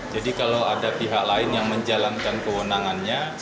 jadi kalau ada pihak lain yang menjalankan kewenangannya